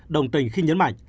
đồng tình khi nhấn mạnh